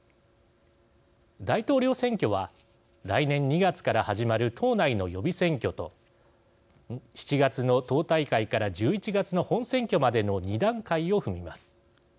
大統領選挙は来年２月から始まる党内の予備選挙と７月の党大会から１１月の本選挙までの２段階を踏みます。